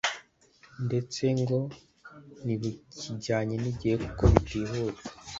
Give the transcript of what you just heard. ndetse ngo ntibukijyanye n’igihe kuko butihuta